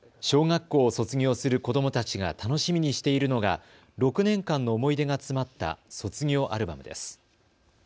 小学校を卒業する子どもたちが楽しみにしているのが６年間の思い出が詰まった卒業アルバムです。